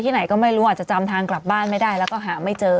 ไหนก็ไม่รู้อาจจะจำทางกลับบ้านไม่ได้แล้วก็หาไม่เจอ